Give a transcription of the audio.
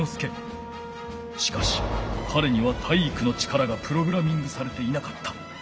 しかしかれには体育の力がプログラミングされていなかった。